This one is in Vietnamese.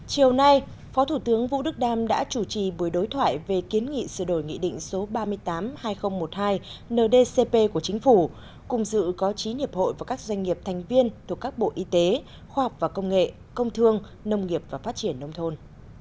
chiều nay phó thủ tướng vũ đức đam đã chủ trì buổi đối thoại về kiến nghị sửa đổi nghị định số ba mươi tám hai nghìn một mươi hai ndcp của chính phủ cùng dự có chín hiệp hội và các doanh nghiệp thành viên thuộc các bộ y tế khoa học và công nghệ công thương nông nghiệp và phát triển nông thôn